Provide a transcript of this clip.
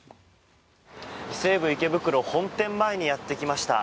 西武池袋本店前にやってきました。